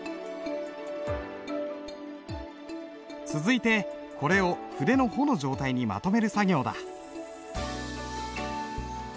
続いてこれを筆の穂の状態にまとめる作業だ。